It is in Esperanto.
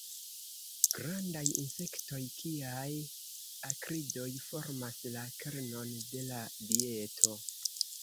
Grandaj insektoj kiaj akridoj formas la kernon de la dieto.